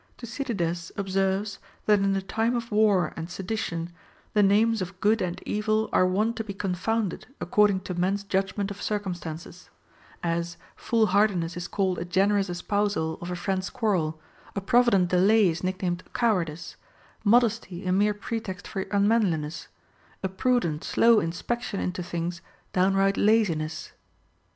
Thucy dides observes, that in the time of war and sedition the names of good and evil are wont to be confounded accord ing to men's judgment of circumstances ; as, fool hardi ness is called a generous espousal of a friend's quarrel, a provident delay is nicknamed cowardice, modesty a mere pretext for unmanliness, a prudent slow inspection into things downright laziness.